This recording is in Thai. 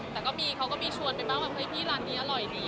แต่เขาก็มีชวนไปบ้างว่าพี่ร้านนี้อร่อยดี